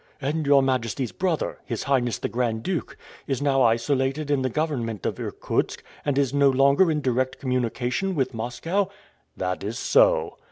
"And your majesty's brother, his Highness the Grand Duke, is now isolated in the government of Irkutsk, and is no longer in direct communication with Moscow?" "That is so."